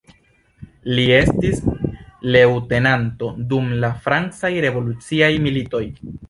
Li estis leŭtenanto dum la francaj revoluciaj militoj.